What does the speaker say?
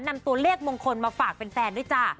นำตัวเลขมงคลมาฝากแฟนด้วยจ้า